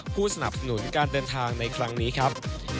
ผู้สนับสนุนการเดินทางในครั้งนี้ครับ